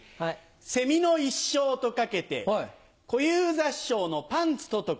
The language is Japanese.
セミの一生と掛けて小遊三師匠のパンツと解く。